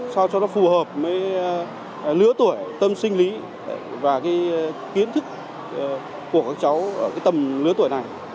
sao cho nó phù hợp với lứa tuổi tâm sinh lý và cái kiến thức của các cháu ở cái tầm lứa tuổi này